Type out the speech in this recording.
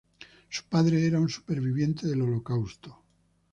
Su padre era un superviviente del Holocausto.